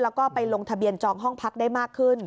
แล้วก็ไปลงทะเบียนจองห้องพักได้มากขึ้น